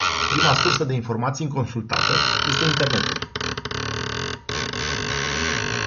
Prima sursă de informații consultată este internetul.